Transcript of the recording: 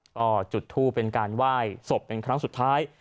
ก็จุดทูปเป็นการไหว้ศพเป็นครั้งสุดท้าย